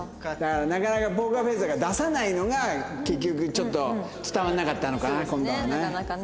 なかなかポーカーフェースだから出さないのが結局ちょっと伝わらなかったのかな今度はね。